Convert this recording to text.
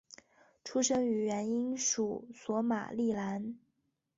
出生于原英属索马利兰。